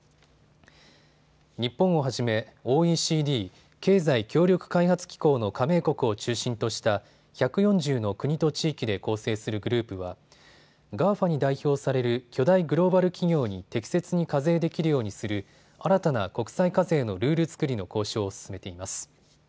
日本をはじめＯＥＣＤ・経済協力開発機構の加盟国を中心とした１４０の国と地域で構成するグループはＧＡＦＡに代表される巨大グローバル企業に適切に課税できるようにする新たな国際課税のルール作りの交渉を進めています。